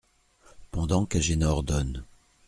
Pendant qu’Agénor donne.